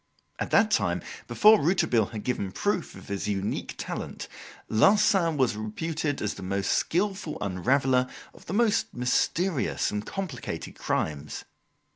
At that time, before Rouletabille had given proof of his unique talent, Larsan was reputed as the most skilful unraveller of the most mysterious and complicated crimes.